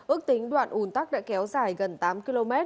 ước tính đoạn ủn tắc đã kéo dài gần tám km